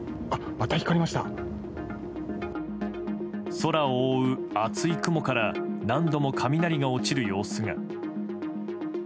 空を覆う厚い雲から何度も雷が落ちる様子が。